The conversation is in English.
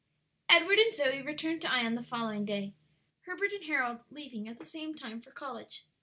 Edward and Zoe returned to Ion the following day, Herbert and Harold leaving at the same time for college.